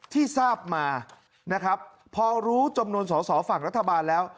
ที่ทราบมาพอรู้จมนุนส่อฝั่งรัฐบาลแล้ว